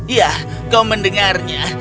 ya kau mendengarnya